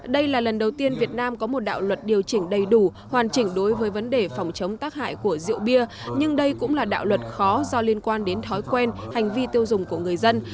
đây là lần đầu tiên việt nam có một đạo luật điều chỉnh đầy đủ hoàn chỉnh đối với vấn đề phòng chống tác hại của rượu bia nhưng đây cũng là đạo luật khó do liên quan đến thói quen hành vi tiêu dùng của người dân